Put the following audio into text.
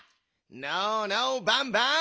ノーノーバンバン！